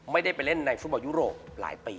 ไม่ได้ไปเล่นในฟุตบอลยุโรปหลายปี